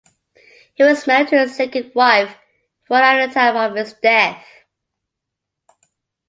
He was married to his second wife, Rona at the time of his death.